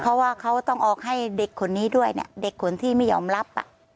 เพราะว่าเขาต้องออกให้เด็กคนนี้ด้วยเนี่ยเด็กคนที่ไม่ยอมรับ